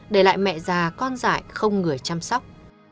để lại mẹ già con dại không người chăm sóc